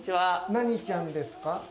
何ちゃんですか？